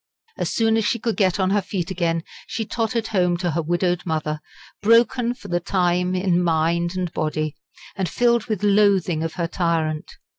As soon as she could get on her feet again, she tottered home to her widowed mother, broken for the time in mind and body, and filled with loathing of her tyrant.